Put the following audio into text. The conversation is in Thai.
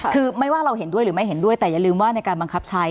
คือไม่ว่าเราเห็นด้วยหรือไม่เห็นด้วยแต่อย่าลืมว่าในการบังคับใช้